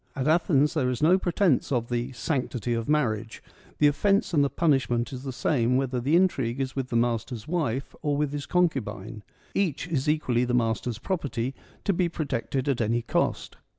At Athens there is no pretence of ' the sanctity of mar riage ': the offence and the punishment is the same whether the intrigue is with the master's wife or with his concubine : each is equally the master's property, to be protected at any cost.